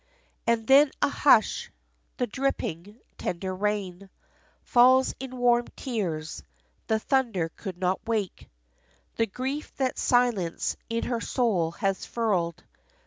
And then a hush the dripping, tender rain Falls in warm tears. The thunder could not wake The grief that silence in her soul has furled.